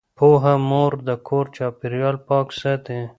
پوهه مور د کور چاپیریال پاک ساتي۔